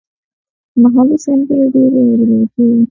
محلي سندرې ډېرې اوریدل کیږي.